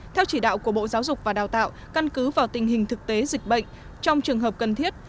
theo chỉ đạo của bộ giáo dục và đào tạo căn cứ vào tình hình thực tế dịch bệnh trong trường hợp cần thiết